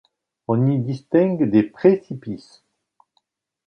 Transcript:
On y distingue des précipices.